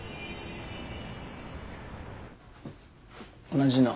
同じのを。